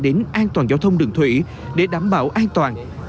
đến an toàn giao thông đường thủy để đảm bảo an toàn